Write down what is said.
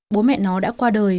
bố mẹ nó đã qua đời